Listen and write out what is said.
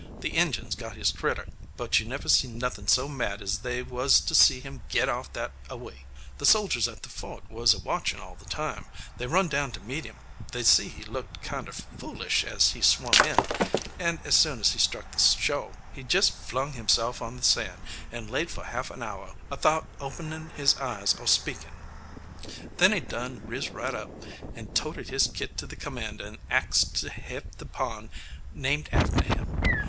The Injuns got his critter, but you never see nothin' so mad as they was to see him git off that a way. The soldiers at the fort was a watchin' all the time. They run down to meet him: they see he looked kinder foolish as he swum in, and as soon as he struck the shore he jist flung himself on the sand, and laid for half an hour athout openin' his eyes or speakin'. Then he done riz right up and toted his kit to the commander, and axed to hev the pond named a'ter him.